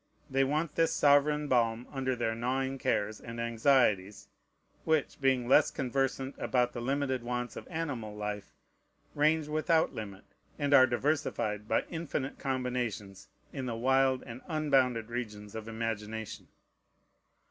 They want this sovereign balm under their gnawing cares and anxieties, which, being less conversant about the limited wants of animal life, range without limit, and are diversified by infinite combinations in the wild and unbounded regions of imagination.